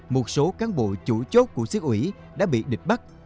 một số cán bộ chủ chốt của xí ủy đã bị địch bắt